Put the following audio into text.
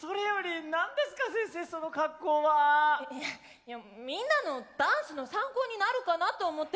いやみんなのダンスの参考になるかなと思って。